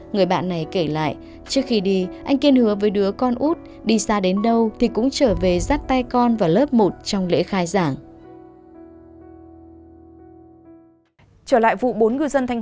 người bạn này kể lại trước khi đi anh kiên hứa với đứa con út đi xa đến đâu thì cũng trở về dắt tay con vào lớp một trong lễ khai giảng